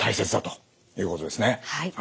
はい。